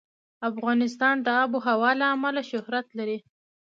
افغانستان د آب وهوا له امله شهرت لري.